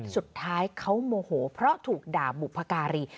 สุดท้ายเขาโมโหเพราะถูกด่าบุพการี